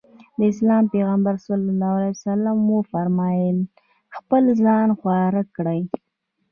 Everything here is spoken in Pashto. د اسلام پيغمبر ص وفرمايل خپل ځان خوار کړي.